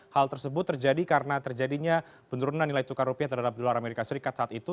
hal tersebut terjadi karena terjadinya penurunan nilai tukar rupiah terhadap dolar amerika serikat saat itu